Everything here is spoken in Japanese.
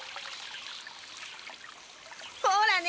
ほらね